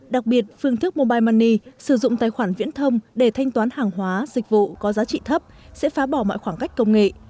đặc biệt phương thức mobile money sử dụng tài khoản viễn thông để thanh toán hàng hóa dịch vụ có giá trị thấp sẽ phá bỏ mọi khoảng cách công nghệ